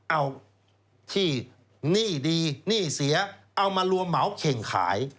เอาที่หนี้ดีหนี้เสียเอามารวมเหมาเข่งขาย